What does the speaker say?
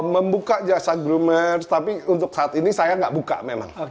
membuka jasa groomers tapi untuk saat ini saya nggak buka memang